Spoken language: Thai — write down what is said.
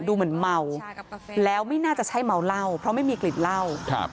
ดูเหมือนเมาแล้วไม่น่าจะใช่เมาเหล้าเพราะไม่มีกลิ่นเหล้าครับ